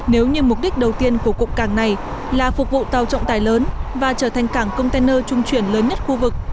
nếu như mục đích đầu tiên của cụm cảng này là phục vụ tàu trọng tài lớn và trở thành cảng container trung chuyển lớn nhất khu vực